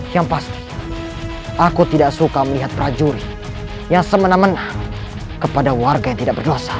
yang pasti aku tidak suka melihat prajurit yang semena mena kepada warga yang tidak berdosa